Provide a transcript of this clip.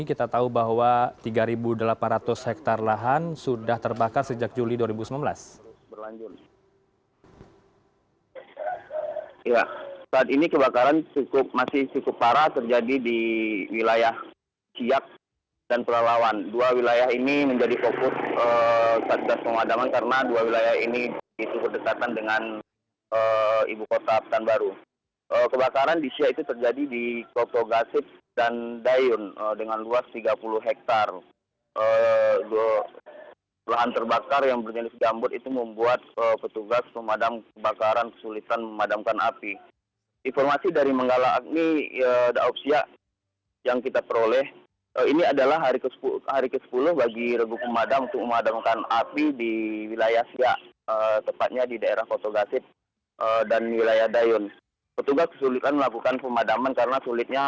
kita tahu bahwa tiga delapan ratus hektare lahan sudah terbakar sejak juli dua ribu sembilan belas